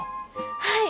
はい！